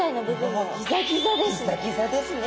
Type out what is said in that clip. ギザギザですね。